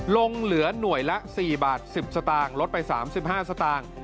ลงเหลือหน่วยละ๔บาท๑๐สตางค์ลดไป๓๕สตางค์